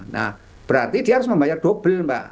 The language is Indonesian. nah berarti dia harus membayar double mbak